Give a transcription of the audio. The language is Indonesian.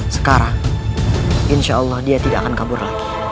sekarang insya allah dia tidak akan kabur lagi